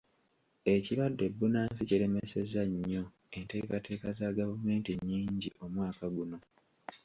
Ekirwadde bbunansi kiremesezza nnyo enteekateeka za gavumenti nnyingi omwaka guno.